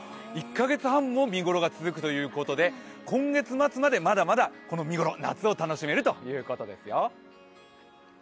１カ月半も見頃が続くということで今月末までまだまだ見頃、夏を楽しめるということですよ。